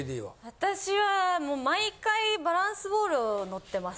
私はもう毎回バランスボール乗ってます。